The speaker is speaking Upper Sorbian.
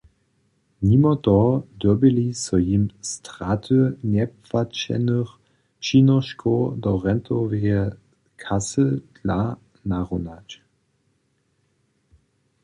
Nimo toho dyrbjeli so jim straty njepłaćenych přinoškow do rentoweje kasy dla narunać.